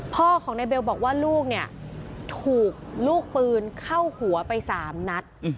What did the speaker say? พ่อของนายเบลบอกว่าลูกเนี่ยถูกลูกปืนเข้าหัวไป๓นัด